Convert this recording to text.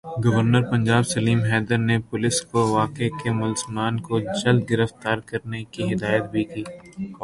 governor Punjab Salim Haider نے police کو واقعے کے ملزمان کو جلد گرفتار کرنے کی ہدایت بھی کی